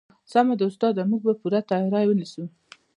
سمه ده استاده موږ به پوره تیاری ونیسو